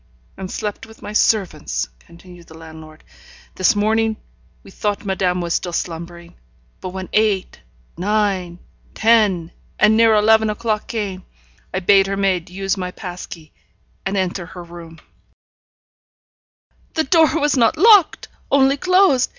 'And slept with my servants,' continued the landlord. 'This morning we thought madame was still slumbering; but when eight, nine, ten, and near eleven o'clock came, I bade her maid use my pass key, and enter her room ' 'The door was not locked, only closed.